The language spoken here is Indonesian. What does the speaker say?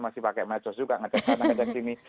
masih pakai metos juga ngejar sana ngejar sini